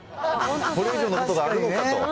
これ以上のことがあるのかと。